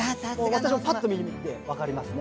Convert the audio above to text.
私もパッと見て分かりますね。